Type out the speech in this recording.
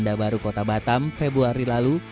dabaru kota batam februari lalu